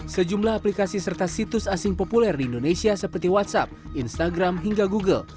sejumlah aplikasi serta situs asing populer di indonesia seperti whatsapp instagram hingga google